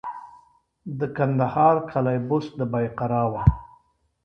د کندهار قلعه بست د بایقرا وه